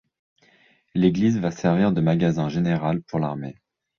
L'église va servir de magasin général pour l'armée.